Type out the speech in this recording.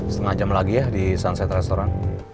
setengah jam lagi ya di sunset restoran